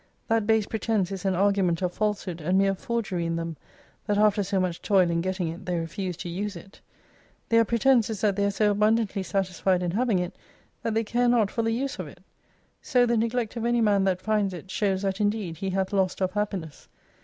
That base pretence is an argument of false hood and mere forgery in them, that after so much toil in getting it they refuse to use it. Their pretence is that they are so abundantly satisfied in having it, that they care not for the use of it. So the neglect of any man that finds it, shows that indeed he hath lost of happiness.